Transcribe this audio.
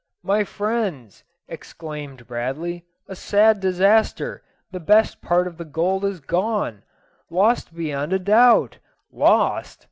"My friends," exclaimed Bradley, "a sad disaster; the best part of the gold is gone lost beyond a doubt." "Lost!"